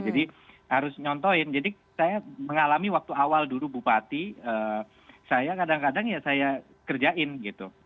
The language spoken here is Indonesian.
jadi harus nyontoin jadi saya mengalami waktu awal dulu bupati saya kadang kadang ya saya kerjain gitu